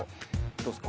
どうすか？